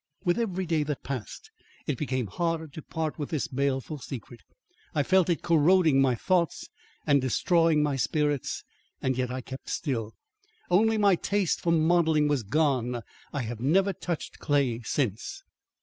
With every day that passed, it became harder to part with this baleful secret. I felt it corroding my thoughts and destroying my spirits, and yet I kept still. Only my taste for modelling was gone. I have never touched clay since.